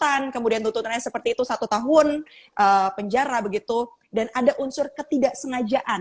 kalau kita lihat di bodi setelah nya seperti itu satu tahun penjara begitu dan ada unsur ketidaksengajaan